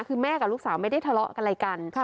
คือแม่กับลูกสาวไม่ได้ทะเลาะอะไรกัน